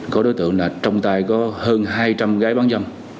có đối tượng là trong tay có hơn hai trăm linh gái bán dâm